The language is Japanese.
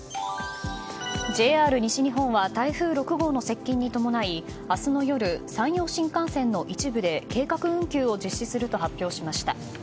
ＪＲ西日本は台風６号の接近に伴い明日の夜、山陽新幹線の一部で計画運休を実施すると発表しました。